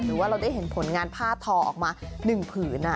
หรือว่าเราได้เห็นผลงานผ้าทอออกมา๑ผืน